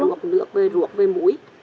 đánh vô nước với ruột với muối